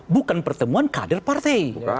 bukan pertemuan kader partai